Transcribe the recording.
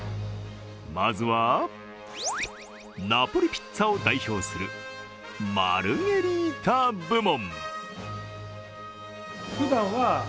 まずは、ナポリピッツァを代表するマルゲリータ部門。